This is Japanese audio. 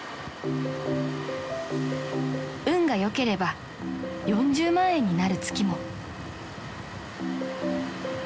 ［運が良ければ４０万円になる月も］